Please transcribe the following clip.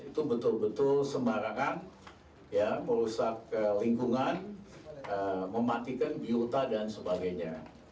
itu betul betul sembarangan merusak lingkungan mematikan biota dan sebagainya